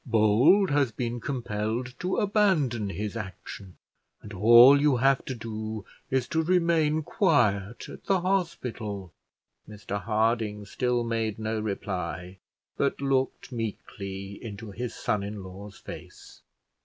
Bold has been compelled to abandon his action, and all you have to do is to remain quiet at the hospital." Mr Harding still made no reply, but looked meekly into his son in law's face.